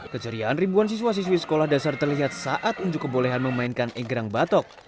keceriaan ribuan siswa siswi sekolah dasar terlihat saat unjuk kebolehan memainkan egrang batok